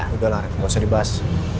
udah lah reina gak usah dibahas